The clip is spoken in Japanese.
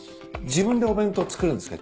自分でお弁当作るんですか？